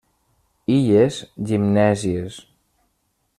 Illes Gimnèsies.